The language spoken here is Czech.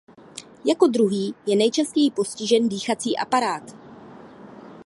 Jako druhý je nejčastěji postižen dýchací aparát.